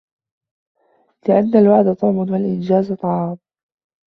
لِأَنَّ الْوَعْدَ طُعْمٌ وَالْإِنْجَازَ طَعَامٌ